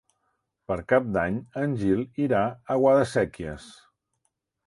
Per Cap d'Any en Gil irà a Guadasséquies.